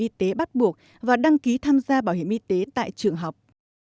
tham gia bảo hiểm y tế bắt buộc và đăng ký tham gia bảo hiểm y tế tại trường học